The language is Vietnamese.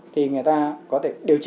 thì người ta có thể điều trị